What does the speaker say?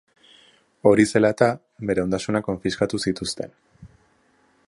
Hori zela eta, bere ondasunak konfiskatu zituzten.